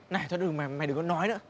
này cho đừng mày đừng có nói nữa